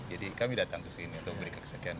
jadi kami datang ke sini untuk berikan kesekian